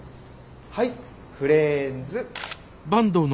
はいフレンズ。